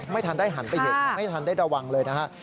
ไม่ทันได้หันไปเห็นไม่ทันได้ระวังเลยนะฮะ